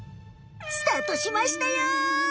スタートしましたよ！